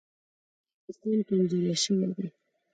انګلیسان کمزوري شوي وو.